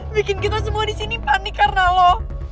bikin kita semua disini panik karena lu